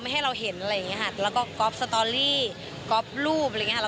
ใช่ค่ะ